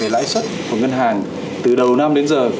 lãi suất của ngân hàng từ đầu năm đến giờ